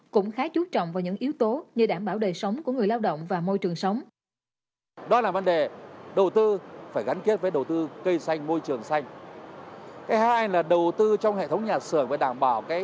cũng khá chú trọng vào những yếu tố như đảm bảo đời sống của người lao động và môi trường sống